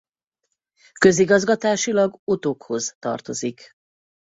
Közigazgatásilag Otokhoz tartozik.